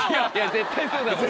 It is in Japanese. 絶対そうだもん。